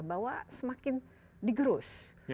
bahwa semakin digerus